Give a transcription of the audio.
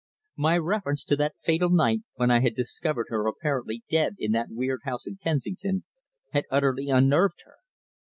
My reference to that fatal night when I had discovered her apparently dead in that weird house in Kensington had utterly unnerved her.